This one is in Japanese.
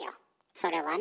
それはね。